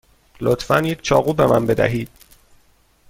لطفا یک چاقو به من بدهید.